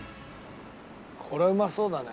これはうまそうだね。